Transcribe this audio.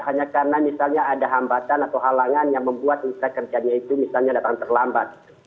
hanya karena misalnya ada hambatan atau halangan yang membuat mitra kerjanya itu misalnya datang terlambat